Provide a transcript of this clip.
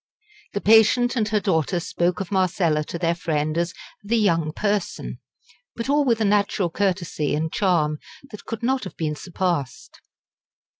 The patient and her daughter spoke of Marcella to their friend as "the young person," but all with a natural courtesy and charm that could not have been surpassed.